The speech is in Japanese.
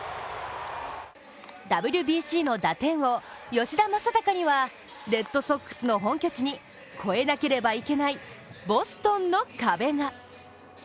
ＷＢＣの打点王・吉田正尚にはレッドソックスの本拠地に越えなければいけないボストンの壁が。